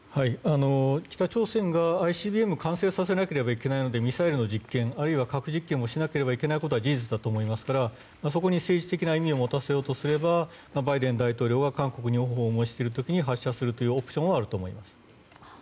北朝鮮がＩＣＢＭを完成させなければいけないのでミサイルの実験、あるいは核実験をしなければいけないのは事実だと思いますからそこに政治的な意味を持たせようとすればバイデン大統領が韓国に訪問している時に発射するというアクションはあると思います。